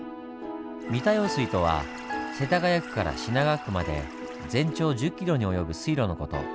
三田用水とは世田谷区から品川区まで全長１０ｋｍに及ぶ水路の事。